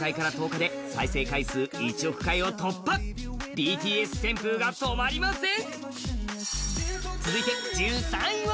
ＢＴＳ旋風が止まりません！